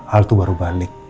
al tuh baru balik